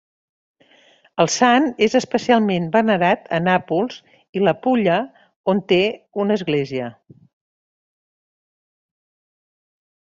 El sant és especialment venerat a Nàpols i la Pulla, on té una església.